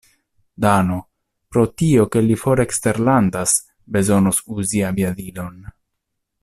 Dano, pro tio ke li fore eksterlandas, bezonos uzi aviadilon.